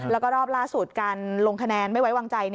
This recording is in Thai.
แล้วก็รอบล่าสุดการลงคะแนนไม่ไว้วางใจ